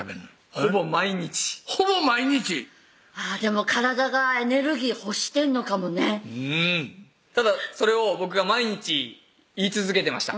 ほぼ毎日ほぼ毎日⁉でも体がエネルギー欲してんのかもねただそれを僕が毎日言い続けてました